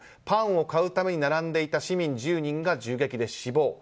パンを買うために並んでいた市民１０人が銃撃で死亡。